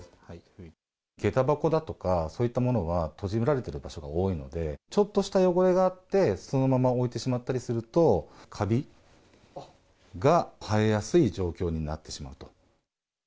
げた箱だとかそういったものは閉じられてる場所が多いので、ちょっとした汚れがあって、そのまま置いてしまったりすると、かびが生えやすい状況になってしまうと。